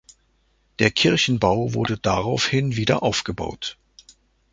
Der Kirchenbau wurde daraufhin wieder aufgebaut.